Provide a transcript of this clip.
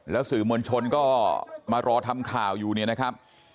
สื่อมวลชนก็มารอทำข่าวอยู่เนี่ยนะครับ